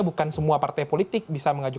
itu menjadi peserta pemilu